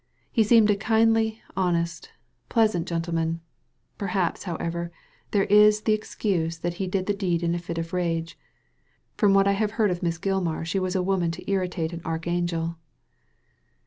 He seemed a kindly, honest, pleasant gentleman. Per haps, however, there is the excuse that he did the deed in a fit of rage. From what I have heard of Miss Gilmar she was a woman to irritate an arch angel."